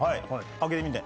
開けてみて。